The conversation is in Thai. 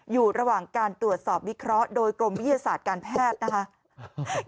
อยู่ระหว่างการตรวจสอบวิเคราะห์โดยกรมวิทยาศาสตร์การแพทย์นะคะ